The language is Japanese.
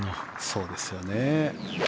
そうですよね。